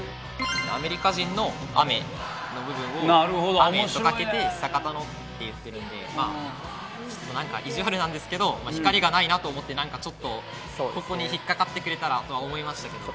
「アメリカ人」の「アメ」の部分を「雨」とかけて「久方の」って言ってるんでちょっと何か意地悪なんですけど「光」がないなと思って何かちょっとここに引っ掛かってくれたらとは思いましたけど。